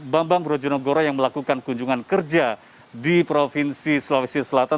bambang brojonegoro yang melakukan kunjungan kerja di provinsi sulawesi selatan